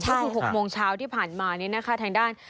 ก็คือ๖โมงเช้าที่ผ่านมาทางด้าน